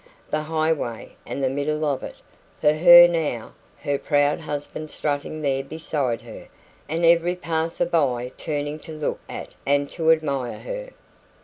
The highway, and the middle of it, for her now her proud husband strutting there beside her and every passer by turning to look at and to admire her.